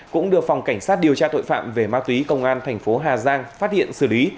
cũng được phòng cảnh sát điều tra tội phạm về ma túy công an thành phố hà giang phát hiện xử lý